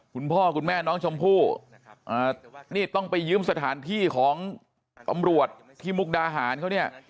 คุณพ่อคุณแม่น้องชมพู่นี่ต้องไปยืมสถานที่ของตำรวจที่มุกดาหารเขาเนี่ย